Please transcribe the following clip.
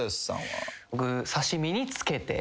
僕刺し身につけて。